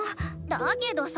だけどさ。